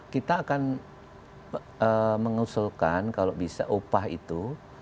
kita akan mengusulkan kalau bisa upah itu